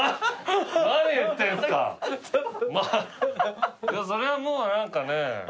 まぁそれはもう何かね。